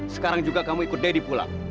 sekarang juga kamu ikut deddy pulang